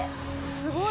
すごい！